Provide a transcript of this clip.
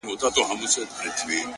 o مرغۍ الوتې وه. خالي قفس ته ودرېدم .